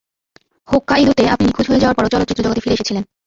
হোক্কাইদোতে আপনি নিখোঁজ হয়ে যাওয়ার পরও, চলচ্চিত্রজগতে ফিরে এসেছিলেন।